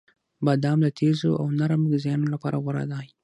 • بادام د تیزو او نرم غذایانو لپاره غوره دی.